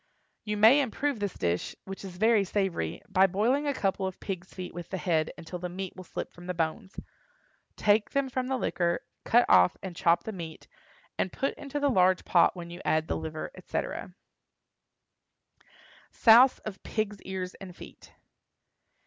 You may improve this dish, which is very savory, by boiling a couple of pigs' feet with the head until the meat will slip from the bones. Take them from the liquor, cut off and chop the meat, and put into the large pot when you add the liver, etc. SOUSE OF PIGS' EARS AND FEET.